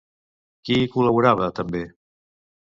Qui hi col·laborava també?